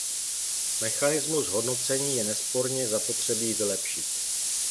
Mechanismus hodnocení je nesporně zapotřebí vylepšit.